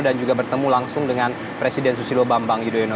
dan juga bertemu langsung dengan presiden susilo bambang yudhoyono